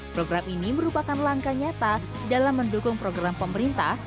program ini merupakan langkah nyata dalam mendukung program pemerintah